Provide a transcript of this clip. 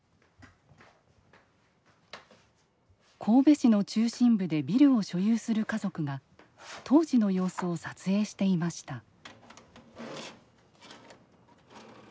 神戸市の中心部でビルを所有する家族が当時の様子を撮影していました。